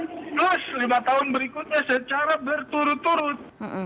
plus lima tahun berikutnya secara berturut turut